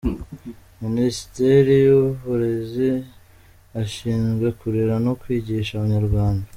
Minisiteri y’uburezi ishinzwe kurera no kwigisha abanyarwanda.